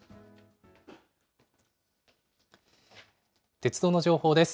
鉄道の情報です。